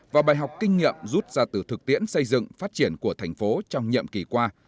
và bài học kinh nghiệm rút ra từ thực tiễn xây dựng phát triển của thành phố trong nhiệm kỳ qua